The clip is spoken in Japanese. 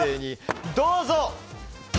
どうぞ。